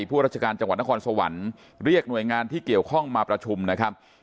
ราชการจังหวัดนครสวรรค์เรียกหน่วยงานที่เกี่ยวข้องมาประชุมนะครับ